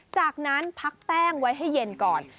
จากนั้นพักแป้งไว้ให้เย็นก่อน